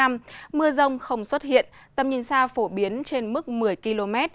mưa rông không xuất hiện tầm nhìn xa phổ biến trên mức một mươi km